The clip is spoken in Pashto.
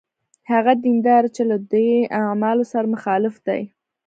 هغه دینداره چې له دې اعمالو سره مخالف دی.